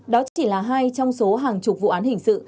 đó chỉ là hai trong số hàng chục vụ án hình sự